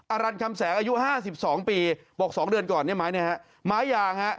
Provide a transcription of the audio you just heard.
อารันคำแสงอายุ๕๒ปีบอก๒เดือนก่อนไม้ยาง